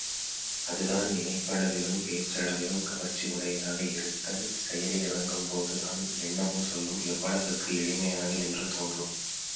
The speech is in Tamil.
அதுதான் நினைப்பளவிலும் பேச்சளவிலும் கவர்ச்சியுடையதாக இருத்தல், செயலில் இறங்கும்போது தான் எண்ணமும் சொல்லும் எவ்வளவிற்கு எளிமையானவை என்று தோன்றும்.